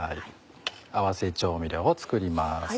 合わせ調味料を作ります。